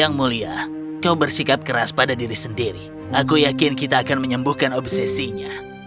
yang mulia kau bersikap keras pada diri sendiri aku yakin kita akan menyembuhkan obsesinya